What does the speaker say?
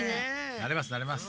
なれますなれます。